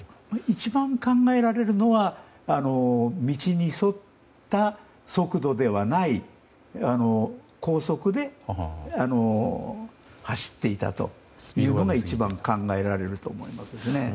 一番考えられるのは道に沿った速度ではない高速で走っていたというのが一番、考えられると思いますね。